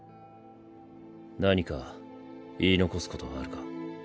何か言い残すことはあるか？